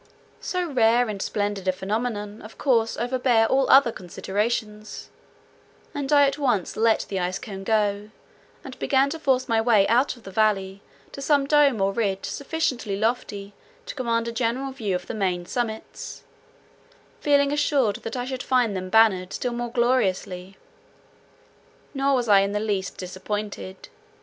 So rare and splendid a phenomenon, of course, overbore all other considerations, and I at once let the ice cone go, and began to force my way out of the valley to some dome or ridge sufficiently lofty to command a general view of the main summits, feeling assured that I should find them bannered still more gloriously; nor was I in the least disappointed.